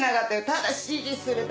ただ指示するだけ。